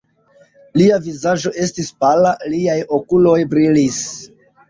Lia vizaĝo estis pala, liaj okuloj brilis.